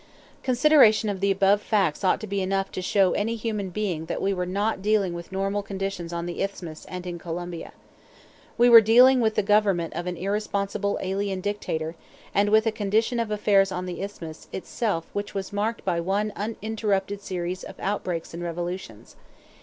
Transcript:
Consideration of the above facts ought to be enough to show any human being that we were not dealing with normal conditions on the Isthmus and in Colombia. We were dealing with the government of an irresponsible alien dictator, and with a condition of affairs on the Isthmus itself which was marked by one uninterrupted series of outbreaks and revolutions.